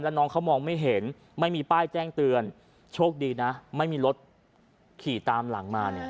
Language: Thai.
น้องเขามองไม่เห็นไม่มีป้ายแจ้งเตือนโชคดีนะไม่มีรถขี่ตามหลังมาเนี่ย